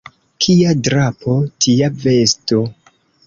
Kia drapo, tia vesto.